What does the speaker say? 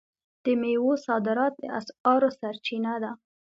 د میوو صادرات د اسعارو سرچینه ده.